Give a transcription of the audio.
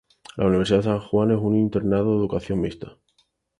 La universidad de San Juan es un internado de educación mixta.